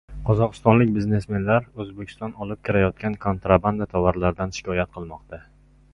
Qozog‘istonlik biznesmenlar O‘zbekiston olib kirayotgan kontrabanda tovarlardan shikoyat qilmoqda